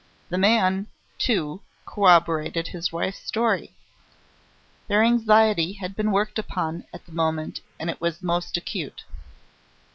The man, too, corroborated his wife's story. Their anxiety had been worked upon at the moment that it was most acute.